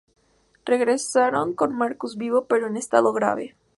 Regresaron con Marcus vivo, pero en estado grave.